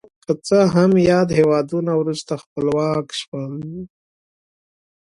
که څه هم یاد هېوادونه وروسته خپلواک شول.